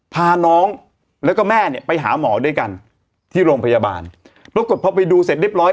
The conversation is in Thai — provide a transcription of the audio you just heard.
พาน้องแล้วก็แม่เนี่ยไปหาหมอด้วยกันที่โรงพยาบาลปรากฏพอไปดูเสร็จเรียบร้อย